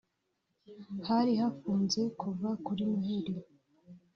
hari hafunze kuva kuri Noheli